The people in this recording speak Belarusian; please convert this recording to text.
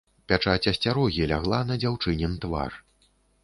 Пячаць асцярогі лягла на дзяўчынін твар.